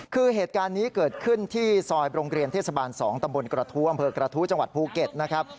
คือเหตุการณ์นี้เกิดขึ้นที่ซอยโรงเรียนเทศบาล๒ตำบลกระทู้อำเภอกระทู้จังหวัดภูเก็ตนะครับ